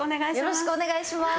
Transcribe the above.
よろしくお願いします。